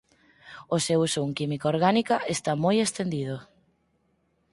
O seu uso en química orgánica está moi estendido.